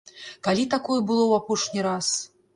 Калі такое было ў апошні раз?